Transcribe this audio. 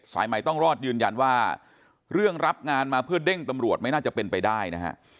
ใหม่ต้องรอดยืนยันว่าเรื่องรับงานมาเพื่อเด้งตำรวจไม่น่าจะเป็นไปได้นะฮะ